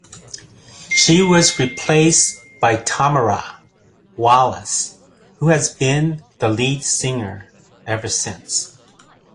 She was replaced by Tamara Wallace, who has been the lead singer ever since.